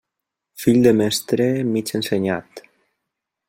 Fill de mestre, mig ensenyat.